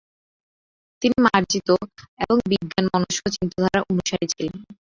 তিনি মার্জিত এবং বিজ্ঞানমনস্ক চিন্তাধারার অনুসারী ছিলেন।